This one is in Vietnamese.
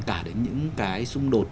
cả đến những cái xung đột